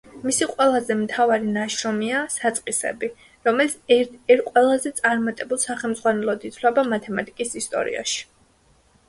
მისი ყველაზე მთავარი ნაშრომია „საწყისები“, რომელიც ერთ-ერთ ყველაზე წარმატებულ სახელმძღვანელოდ ითვლება მათემატიკის ისტორიაში.